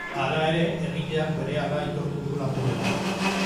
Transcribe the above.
Hala ere, egileak berehala aitortu du lapurreta.